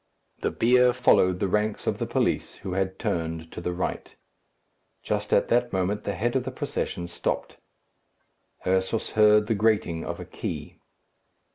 The bier followed the ranks of the police, who had turned to the right. Just at that moment the head of the procession stopped. Ursus heard the grating of a key.